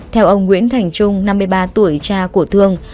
theo ông nguyễn thành trung năm mươi ba tuổi cha của thương